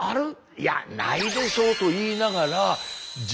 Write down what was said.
いやないでしょう」と言いながら実験しました。